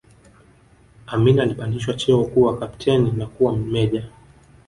Amin alipandishwa cheo kuwa kapteni na kuwa meja